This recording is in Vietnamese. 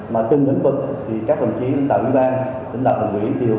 mà từng doanh nghiệp thì các đồng chí đồng tài ủy ban đồng tài ủy tiêu